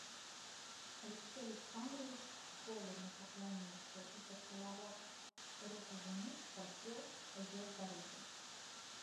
Алексей Александрович холодно поклонился и, поцеловав руку жены, спросил о ее здоровье.